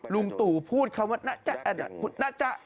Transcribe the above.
ลุงตุ๋พูดคำว่าน่ะจ๊ะพูดน่ะจ๊ะ